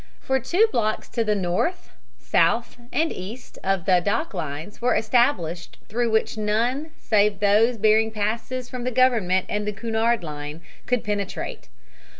For two blocks to the north, south and east of the docks lines were established through which none save those bearing passes from the Government and the Cunard Line could penetrate.